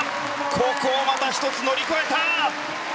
ここをまた一つ乗り越えた！